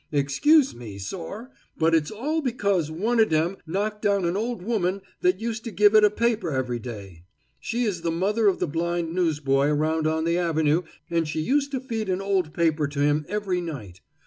Excuse me, sor! but it's all because one of dem knocked down an old woman that used to give it a paper every day. She is the mother of the blind newsboy around on the avenue, an' she used to feed an old paper to him every night.